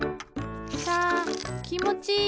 サきもちいい！